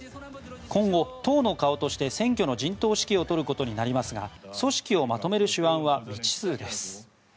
今後、党の顔として選挙の陣頭指揮を執ることになりますが組織をまとめる手腕は未知数です。